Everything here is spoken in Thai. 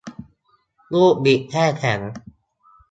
ลูกบิดแช่แข็ง